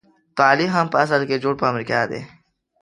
طالب هم په اصل کې جوړ په امريکا دی.